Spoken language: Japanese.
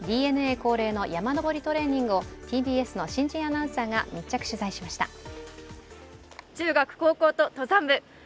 ＤｅＮＡ恒例の山登りトレーニングをＴＢＳの新人アナウンサーが密着取材しました。